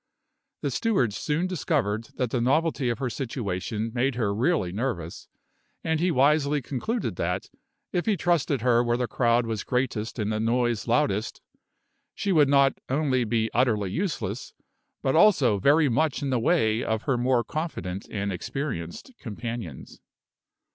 The steward soon discovered that the novelty of her situation made her really nervous, and he wisely concluded that if he trusted her where the crowd was greatest and the noise loudest, she would not only be utterly useless, but also very much in the way of her more confident and experienced companions.